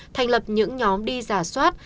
thành lập những nhóm đi giả soát